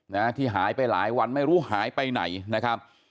นะที่หายไปหลายวันไม่รู้หายไปไหนนะครับ